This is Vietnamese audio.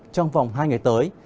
trong vòng hai ngày tới